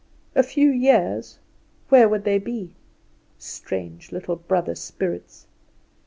A few years where would they be? Strange little brother spirits!